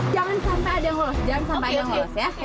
jangan sampai ada yang ngelolos